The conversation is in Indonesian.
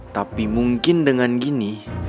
tapi mungkin dengan gini